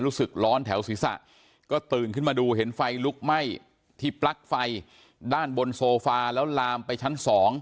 รู้สึกร้อนแถวศีรษะก็ตื่นขึ้นมาดูเห็นไฟลุกไหม้ที่ปลั๊กไฟด้านบนโซฟาแล้วลามไปชั้น๒